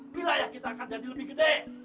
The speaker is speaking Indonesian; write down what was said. bila ya kita akan jadi lebih gede